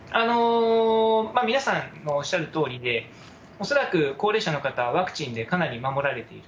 皆さんのおっしゃるとおりで、恐らく高齢者の方は、ワクチンでかなり守られている。